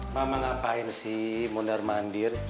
mama ngapain sih mundar mandir